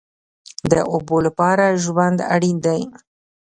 د اوبو لپاره ژوند اړین دی